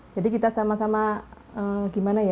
kita sama sama gimana ya